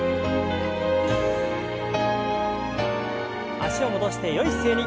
脚を戻してよい姿勢に。